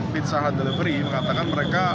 pizza delivery mengatakan mereka